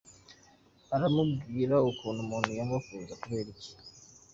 urambwira ukuntu umuntu yanga kuza, kubera iki? ”.